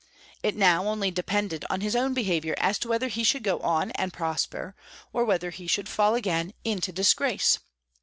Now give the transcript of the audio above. It now only depended on his own behaviour as to whether he should go on and prosper, or whether he should fall again into disgrace.